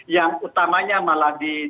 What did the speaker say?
yang utamanya malah di